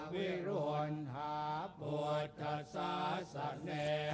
วิรุณฮะโมทัศน์สัพเสน่ห์